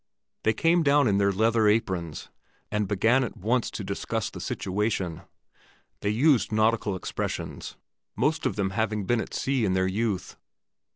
They came down in their leather aprons, and began at once to discuss the situation; they used nautical expressions, most of them having been at sea in their youth.